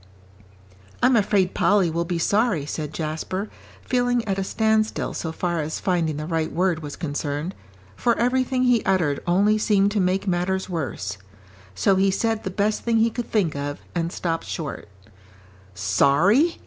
"I'm afraid Polly will be sorry," said Jasper, feeling at a standstill so far as finding the right word was concerned, for everything he uttered only seemed to make matters worse. So he said the best thing he could think of, and stopped short. "Sorry?"